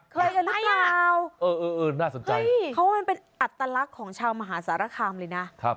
เคยกันหรือเปล่าเออน่าสนใจเพราะว่ามันเป็นอัตลักษณ์ของชาวมหาสารคามเลยนะ